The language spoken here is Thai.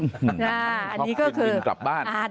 ช็อกมิ้นท์บินกลับบ้าน